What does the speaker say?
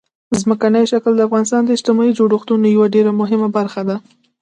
ځمکنی شکل د افغانستان د اجتماعي جوړښت یوه ډېره مهمه برخه ده.